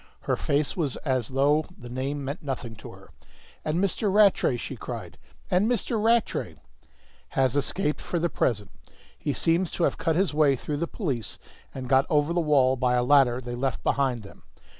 Her face was as though the name meant nothing to her. "And Mr. Rattray?" she cried. "And Mr. Rattray " "Has escaped for the present. He seems to have cut his way through the police and got over the wall by a ladder they left behind them.